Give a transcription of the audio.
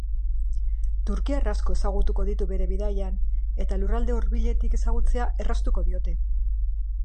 Turkiar asko ezagutuko ditu bere bidaian eta lurraldea hurbiletik ezagutzea erraztuko diote.